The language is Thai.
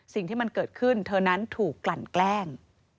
สิ่งที่มันเกิดขึ้นเธอนั้นถูกกลั่นแกล้ง